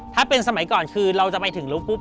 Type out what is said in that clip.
ถ้าเป็นสมัยก่อนคือเราจะไปถึงลุคปุ๊บ